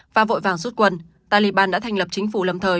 và vội vàng rút quân taliban đã thành lập chính phủ lâm thời